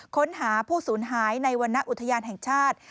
ค้นหาผู้สูญหายในวรรณอุทยานแห่งชาติ